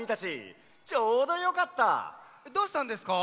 どうしたんですか？